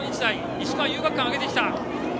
石川・遊学館は上げてきた。